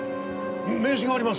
名刺がありますよ。